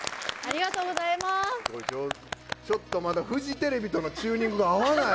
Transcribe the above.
ちょっとまだフジテレビとのチューニングが合わない。